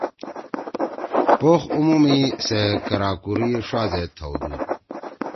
پوخ عُمُو می سے کراکُری ݜا زید تھؤدُود